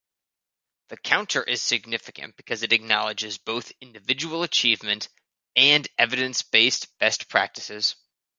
The Counter is significant because it acknowledges both individual achievement and evidence-based best practices.